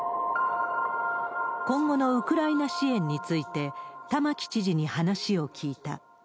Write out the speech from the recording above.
今後のウクライナ支援について、玉城知事に話を聞いた。